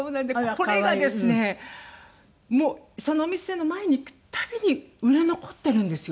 これがですねもうそのお店の前に行くたびに売れ残ってるんですよ。